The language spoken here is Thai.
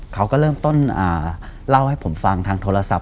เขาก็เริ่มต้นเล่าให้ผมฟังทางโทรศัพท์